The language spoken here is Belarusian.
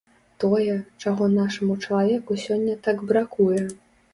Тое, чаго нашаму чалавеку сёння так бракуе.